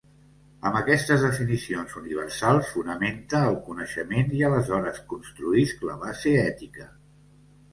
Amb aquestes definicions universals fonamente el coneixement i aleshores construïsc la base ètica.